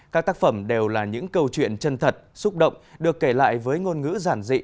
các tác phẩm đều là những câu chuyện chân thật xúc động được kể lại với ngôn ngữ giản dị